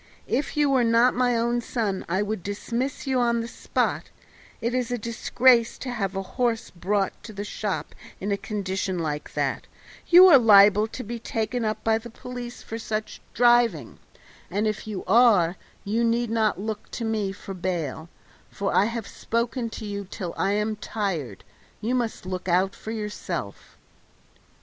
If you were not my own son I would dismiss you on the spot; it is a disgrace to have a horse brought to the shop in a condition like that; you are liable to be taken up by the police for such driving, and if you are you need not look to me for bail, for I have spoken to you till I'm tired; you must look out for yourself."